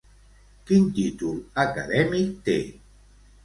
Quin títol acadèmic té?